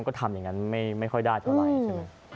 มันก็ทำอย่างนั้นไม่ค่อยได้เท่าไหร่